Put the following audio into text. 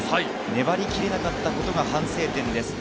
粘りきれなかったことが反省点です。